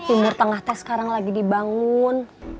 timur tengah teh sekarang lagi dibangun